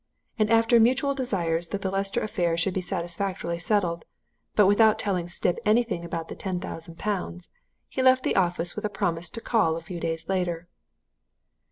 And after mutual desires that the Lester affair should be satisfactorily settled, but without telling Stipp anything about the ten thousand pounds, he left the office with a promise to call a few days later.